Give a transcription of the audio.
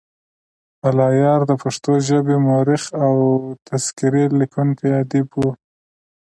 الله یار دپښتو ژبې مؤرخ او تذکرې لیکونی ادیب وو.